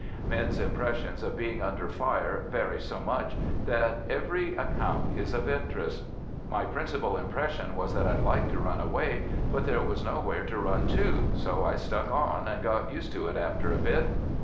Men's impressions of being under fire vary so much that every account is of interest. "My principal impression was that I'd like to run away, but there was nowhere to run to, so I stuck on, and got used to it after a bit."